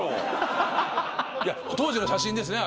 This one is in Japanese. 当時の写真ですね